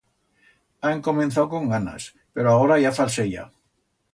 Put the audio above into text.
Ha encomenzau con ganas, pero agora ya falseya.